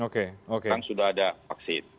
sekarang sudah ada vaksin